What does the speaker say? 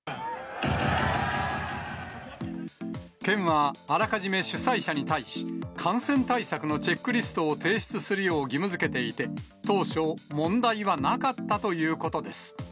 県は、あらかじめ主催者に対し、感染対策のチェックリストを提出するよう義務づけていて、当初、問題はなかったということです。